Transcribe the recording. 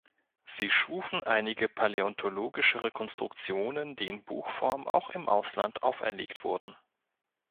Sie schufen einige paläontologische Rekonstruktionen, die in Buchform auch im Ausland auferlegt wurden.